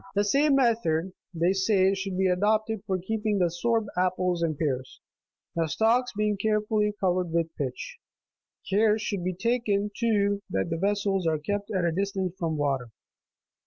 The same method, they say, should be adopted for keeping sorb apples and pears, the stalks being carefully covered with pitch ; care should be taken, too, that the ves sels are kept at a distance from water.